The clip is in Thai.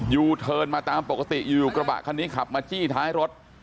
ยูเทิร์นมาตามปกติอยู่กระบะคันนี้ขับมาจี้ท้ายรถ